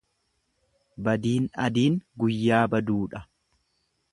Badiin adiin guyyaa baduudha.